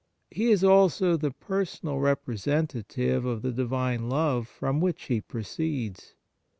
He is also the personal representative of the Divine Love from which He proceeds.